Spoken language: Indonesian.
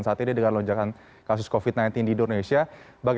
saat ini dengan lonjakan kasus covid sembilan belas di indonesia